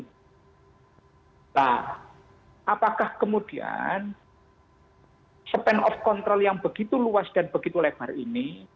nah apakah kemudian span of control yang begitu luas dan begitu lebar ini